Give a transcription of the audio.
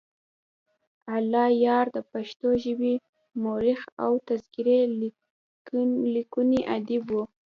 الله یار دپښتو ژبې مؤرخ او تذکرې لیکونی ادیب وو.